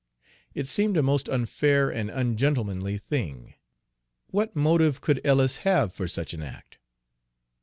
It seemed a most unfair and ungentlemanly thing. What motive could Ellis have for such an act?